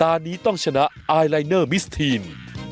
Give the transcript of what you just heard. เรี่ยมจริง